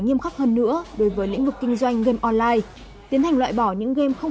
nghiêm khắc hơn nữa đối với lĩnh vực kinh doanh game online tiến hành loại bỏ những game không